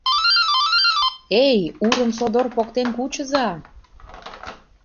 Эй, Урым содор поктен кучыза!